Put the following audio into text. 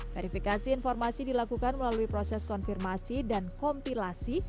verifikasi informasi dilakukan melalui proses konfirmasi dan kompilasi